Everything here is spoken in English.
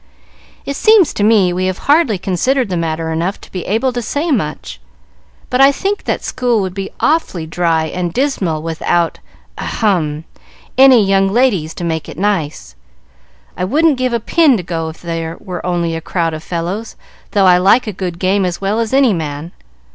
"It seems to me we have hardly considered the matter enough to be able to say much. But I think that school would be awfully dry and dismal without ahem! any young ladies to make it nice. I wouldn't give a pin to go if there was only a crowd of fellows, though I like a good game as well as any man.